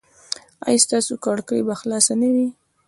ایا ستاسو کړکۍ به خلاصه نه وي؟